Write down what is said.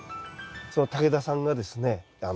その竹田さんがですね